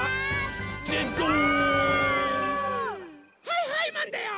はいはいマンだよ！